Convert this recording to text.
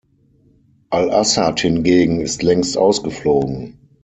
Al-Asad hingegen ist längst ausgeflogen.